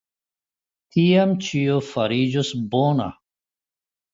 Tiam ĉio fariĝos bona.